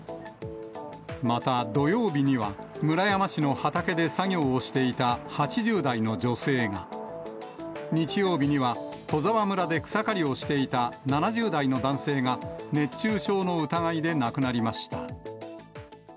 また、土曜日には村山市の畑で作業をしていた８０代の女性が、日曜日には戸沢村で草刈りをしていた７０代の男性が熱中症の疑いで亡くなりました。